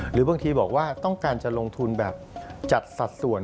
หรือบางทีบอกว่าต้องการจะลงทุนแบบจัดสัดส่วน